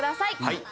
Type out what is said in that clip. はい。